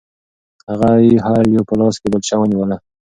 هغوی هر یو په لاس کې بیلچه ونیوله.